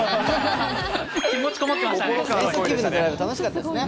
気持ち込もってましたね。